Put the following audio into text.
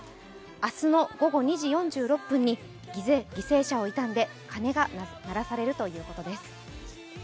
明日の午後２時４６分に犠牲者を悼んで鐘が鳴らされるということです。